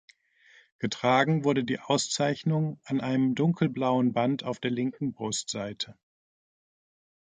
Getragen wurde die Auszeichnung an einem dunkelblauen Band auf der linken Brustseite.